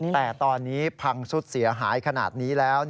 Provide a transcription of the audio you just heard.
แต่ตอนนี้พังสุดเสียหายขนาดนี้แล้ว